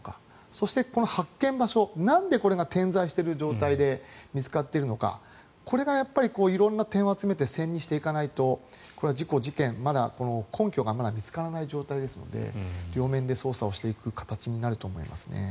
そしてこの発見場所なんでこれが点在している状態で見つかっているのかこれがやっぱり色んな点を集めて線にしていかないとこれは事故・事件まだこの根拠が見つからない状態ですので両面で捜査をしていく形になると思います。